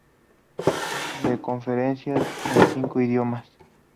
Da conferencias en cinco idiomas.